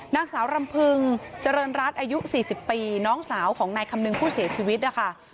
นางสาวรำพึงเจริญรัฐอายุ๔๐ปีน้องสาวของนายคำนึงผู้เสียชีวิตนะคะ